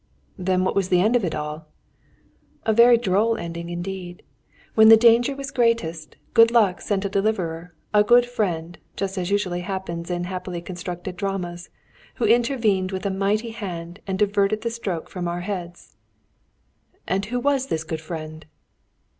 "Then what was the end of it all?" "A very droll ending indeed. When the danger was greatest, good luck sent a deliverer, a good friend, just as usually happens in happily constructed dramas, who intervened with a mighty hand and diverted the stroke from our heads." "And who was this good friend?"